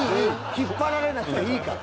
引っ張られなくていいから。